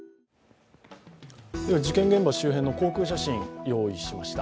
事件現場周辺の航空写真、用意しました。